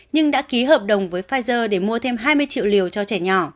nhưng đã ký hợp đồng với pfizer để mua thêm hai mươi triệu liều cho trẻ nhỏ